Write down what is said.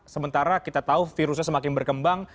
sementara kita tahu virusnya semakin berkembang